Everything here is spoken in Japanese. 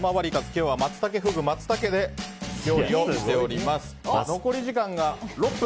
今日はマツタケ、フグ、マツタケで料理をしております。